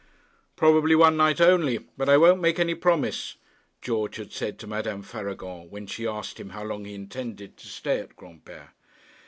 'Probably one night only, but I won't make any promise,' George had said to Madame Faragon when she asked him how long he intended to stay at Granpere.